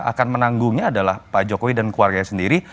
akan menanggungnya adalah pak jokowi dan keluarganya sendiri